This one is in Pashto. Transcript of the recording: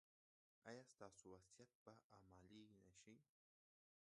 ایا ستاسو وصیت به عملي نه شي؟